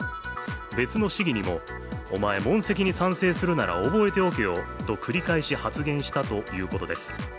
別の市議にも、お前問責に賛成するなら覚えておけよと繰り返し発言したということです。